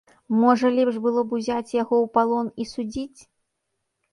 Можа лепш было б узяць яго ў палон і судзіць?